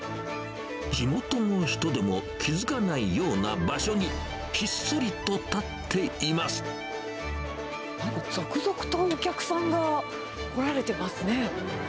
地元の人でも気付かないような場所に、なんか続々とお客さんが来られてますね。